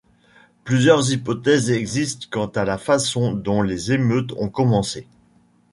Plusieurs hypothèses existent quant à la façon dont les émeutes ont commencé.